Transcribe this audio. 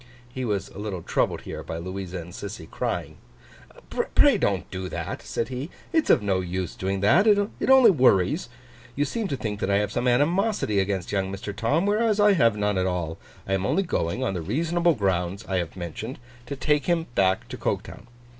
He was a little troubled here, by Louisa and Sissy crying. 'Pray don't do that,' said he, 'it's of no use doing that: it only worries. You seem to think that I have some animosity against young Mr. Tom; whereas I have none at all. I am only going, on the reasonable grounds I have mentioned, to take him back to Coketown.